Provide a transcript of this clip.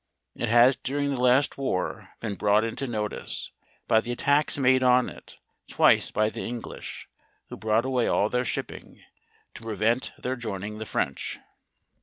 It has during the last war been brought into notice, by the attacks made on it twice by the English; who brought away all their shipping, to prevent their joining the French.